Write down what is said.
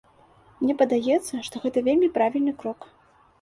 Мне падаецца, што гэта вельмі правільны крок.